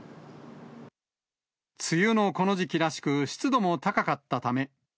梅雨のこの時期らしく、湿度も高かったため。